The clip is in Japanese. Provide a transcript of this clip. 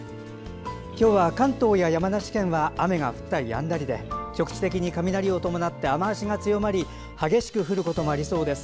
関東や山梨県は雨が降ったりやんだりで局地的に雷を伴って雨足が強まり激しく降ることもありそうです。